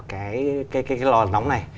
cái lò nóng này